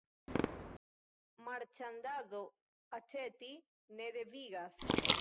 Marĉandado aĉeti ne devigas.